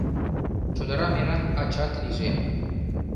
Чодыра мераҥ ачат лийже